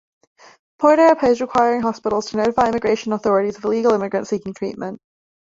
Porter opposed requiring hospitals to notify immigration authorities of illegal immigrants seeking treatment.